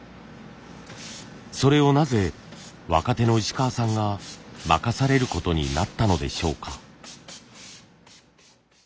それをなぜ若手の石川さんが任されることになったのでしょうか？